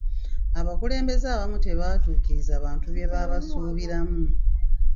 Abakulembeze abamu tebaatuukiriza bantu bye babasuubiramu.